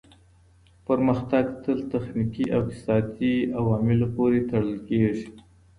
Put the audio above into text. پرمختګ تل تخنیکي او اقتصادي عواملو پوري تړل کیږي.